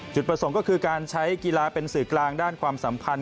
จุดประสงค์ก็คือการใช้กีฬาเป็นสื่อกลางด้านความสัมพันธ